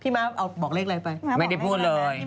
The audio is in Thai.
มาเอาบอกเลขอะไรไปไม่ได้พูดเลย